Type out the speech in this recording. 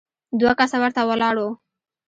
دوه کسه ورته ولاړ وو.